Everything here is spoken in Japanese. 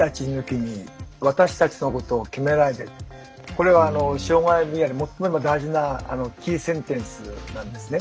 これは障害分野で最も大事なキーセンテンスなんですね。